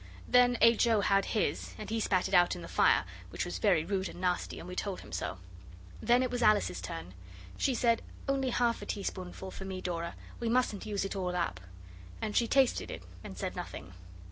Then H. O. had his, and he spat it out in the fire, which was very rude and nasty, and we told him so. Then it was Alice's turn. She said, 'Only half a teaspoonful for me, Dora. We mustn't use it all up.' And she tasted it and said nothing.